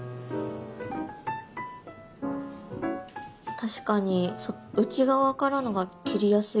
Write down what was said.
確かに内側からのが切りやすいですね。